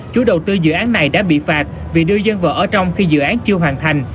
chủ đầu tư dự án này đã bị phạt vì đưa dân vào ở trong khi dự án chưa hoàn thành